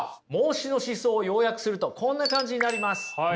孟子の思想を要約するとこんな感じになります。